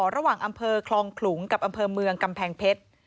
อำเภอคลองขลุงกับอำเภอเมืองกำแพงเพชร